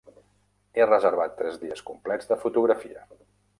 He reservat tres dies complets de fotografia.